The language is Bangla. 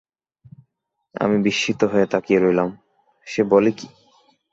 আমি বিস্মিত হয়ে তাকিয়ে রইলাম-সে বলে কী।